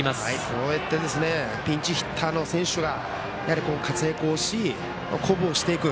こうやってピンチヒッターの選手が活躍をし鼓舞をしていく。